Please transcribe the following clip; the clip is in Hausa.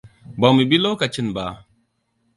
Ba mu bi lokacin ka